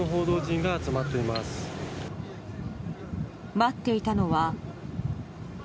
待っていたのは。